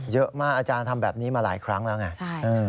อาจารย์ทำแบบนี้มาหลายครั้งแล้วไง